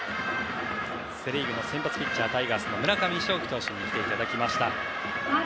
セ・リーグの先発ピッチャータイガースの村上頌樹投手に来ていただきました。